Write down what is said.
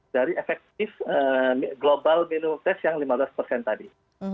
dari efektif global minimum test yang lima belas persen tadi